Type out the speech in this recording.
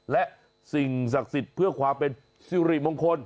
และสิ่งศักดิ์สิทธิ์เพื่อความเป็นสิริมงคล